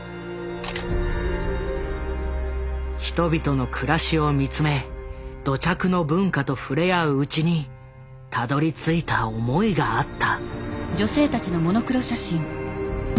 人々の暮らしを見つめ土着の文化と触れ合ううちにたどりついた思いがあった。